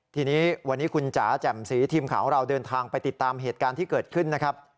ทีนี้วันนี้คุณจ๋าแจ่มสีทีมข่าวของเราเดินทางไปติดตามเหตุการณ์ที่เกิดขึ้นนะครับ